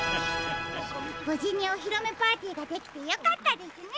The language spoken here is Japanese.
ぶじにおひろめパーティーができてよかったですね！